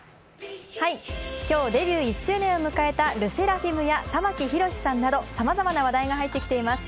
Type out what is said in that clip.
今日、デビュー１周年を迎えたＬＥＳＳＥＲＡＦＩＭや玉木宏さんなどさまざまな話題が入ってきています。